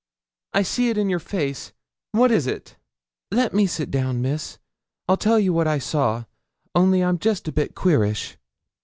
'I see it in your face. What is it?' 'Let me sit down, Miss. I'll tell you what I saw; only I'm just a bit queerish.'